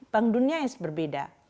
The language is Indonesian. bank dunia yang berbeda